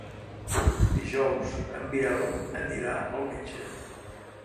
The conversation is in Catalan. Dijous en Biel anirà al metge.